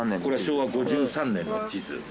これは昭和５３年の地図。